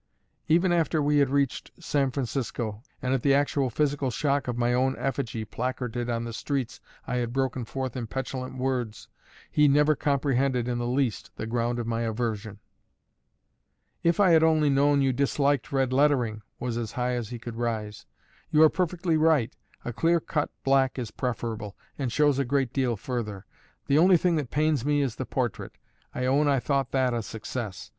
Even after we had reached San Francisco, and at the actual physical shock of my own effigy placarded on the streets I had broken forth in petulant words, he never comprehended in the least the ground of my aversion. "If I had only known you disliked red lettering!" was as high as he could rise. "You are perfectly right: a clear cut black is preferable, and shows a great deal further. The only thing that pains me is the portrait: I own I thought that a success.